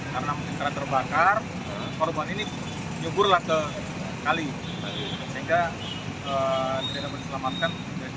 karena bensin terbakar korban ini nyugurlah kekali sehingga tidak bisa diselamatkan yang dibantu warga yang lain